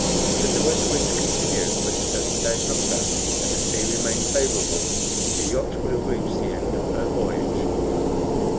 Should the west wind continue but a dozen days longer, and the sea remain favorable, the yacht would have reached the end of her voyage.